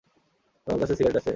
তোমার কাছে সিগারেট আছে?